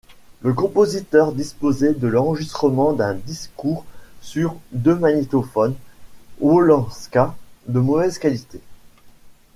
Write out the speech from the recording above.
Le compositeur disposait de l'enregistrement d'un discours sur deux magnétophones Wollensak de mauvaise qualité.